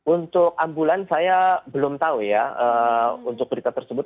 untuk ambulan saya belum tahu ya untuk berita tersebut